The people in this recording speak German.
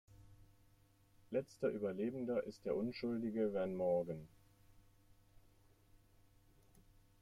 Letzter Überlebender ist der unschuldige Van Morgan.